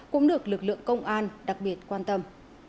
cũng được lực lượng công an đặc biệt quan tâm